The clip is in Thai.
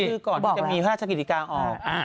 เขาเปลี่ยนชื่อก่อนที่จะมี๕ชักหิติกาออก